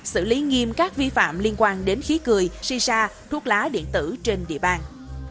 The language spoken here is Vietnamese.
xử lý nghiêm các vi phạm liên quan đến khí cười shisha thuốc lá điện tử trên địa bàn